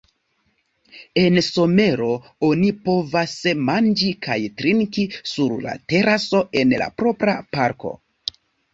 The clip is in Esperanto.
En somero oni povas manĝi kaj trinki sur la teraso en la propra parko.